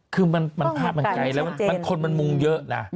คือภาพมันไกลแล้วคนมันมุงเยอะนะ